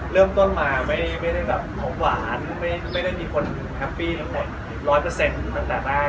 เริ่มต้นมาไม่ได้แบบของหวานไม่ได้มีคนแฮปปี้ทั้งหมด๑๐๐ตั้งแต่แรก